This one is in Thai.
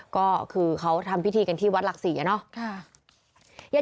ก็คือเขาทำพิธีกันที่วัดหลักศรีอะเนาะ